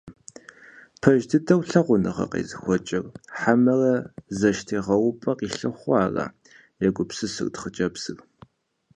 Пэж дыдэу лъагъуныгъэ къезыхуэкӀыр, хьэмэрэ зэштегъэупӀэ къилъыхъуэу ара? – егупсысырт хъыджэбзыр.